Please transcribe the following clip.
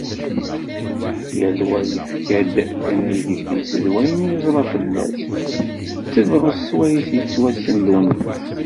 Yal wa yefka-d tanagit-is d wayen yeẓra fell-as, d tebɣest swayes yettwassen Lwennas.